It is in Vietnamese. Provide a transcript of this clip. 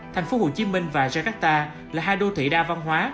thành phố hồ chí minh và jakarta là hai đô thị đa văn hóa